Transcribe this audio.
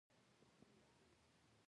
ځکه د شپې سفر کاوه.